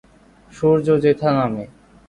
সূর্য্য যেথা নামে।